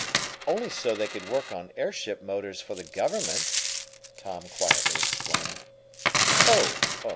"Only so they could work on airship motors for the Government," Tom quietly explained. "Oh!